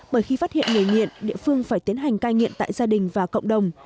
bởi khi phát hiện người nghiện địa phương phải tiến hành cai nghiện tại gia đình và cộng đồng